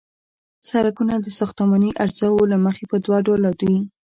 سرکونه د ساختماني اجزاوو له مخې په دوه ډلو دي